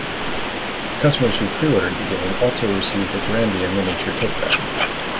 Customers who pre-ordered the game also received a "Grandia" miniature tote bag.